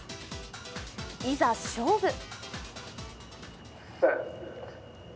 いざ勝負！